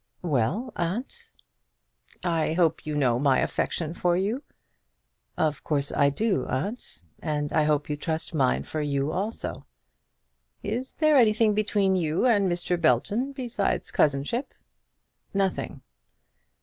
"Well, aunt." "I hope you know my affection for you." "Of course I do, aunt; and I hope you trust mine for you also." "Is there anything between you and Mr. Belton besides cousinship?" "Nothing."